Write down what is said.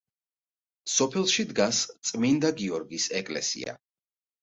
სოფელში დგას წმინდა გიორგის ეკლესია.